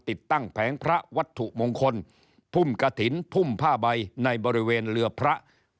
ติดตั้งแผงพระวัตถุมงคลพุ่มกระถิ่นพุ่มผ้าใบในบริเวณเรือพระ